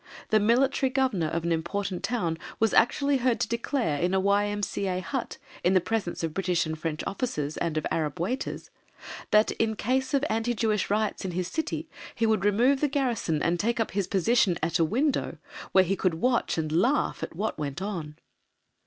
The Military Governor of an important town was actually heard to declare in a Y.M.C.A. Hut, in the presence of British and French Officers, and of Arab waiters, that in case of anti Jewish riots in his city, he would remove the garrison and take up his position at a window, where he could watch, and laugh at, what went on!